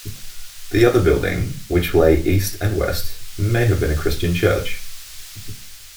The other building, which lay east and west, may have been a Christian church.